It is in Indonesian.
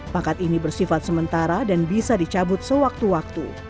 pangkat ini bersifat sementara dan bisa dicabut sewaktu waktu